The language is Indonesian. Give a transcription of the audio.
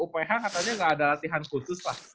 uph katanya nggak ada latihan khusus lah